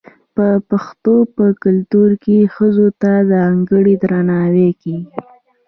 د پښتنو په کلتور کې ښځو ته ځانګړی درناوی کیږي.